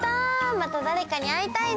まただれかにあいたいね。